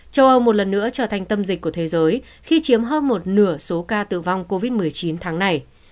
châu âu một lần nữa trở thành tâm dịch của thế giới khi chiếm hơn một nửa số ca tử vong covid một mươi chín tháng này